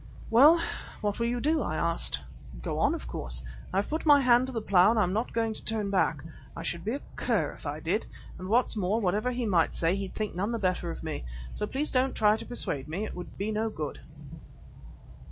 "Well, what will you do?" I asked. "Go on, of course. I've put my hand to the plough and I am not going to turn back. I should be a cur if I did, and what's more, whatever he might say he'd think none the better of me. So please don't try to persuade me, it would be no good."